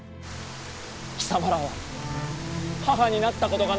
貴様らは母になったことがないのか？